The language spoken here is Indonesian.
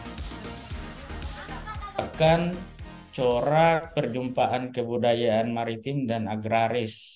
kota makassar merupakan corak perjumpaan kebudayaan maritim dan agraris